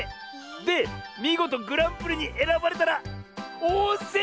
でみごとグランプリにえらばれたらおんせんりょこうだって！